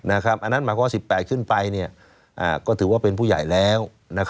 อันนั้นหมายความว่า๑๘ขึ้นไปก็ถือว่าเป็นผู้ใหญ่แล้ว